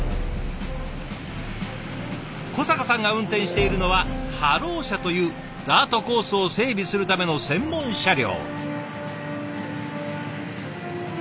小坂さんが運転しているのはハロー車というダートコースを整備するための専門車両。